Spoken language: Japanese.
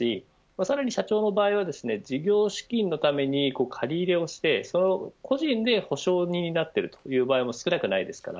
さらに社長の場合は事業資金のために借り入れをして個人で保証人になっているという場合も少なくないです。